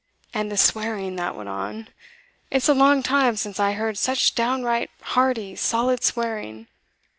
And the swearing that went on! It's a long time since I heard such downright, hearty, solid swearing.